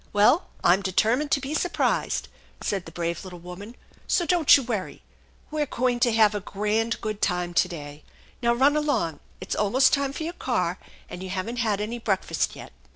"Well, I'm determined to be surprised," said the brave little woman; "so don't you worry We're going to hav 4 THE ENCHANTED BARN 117 grand good time to day. Now run along. It's almost time for your car, and you haven't had any breakfast yet."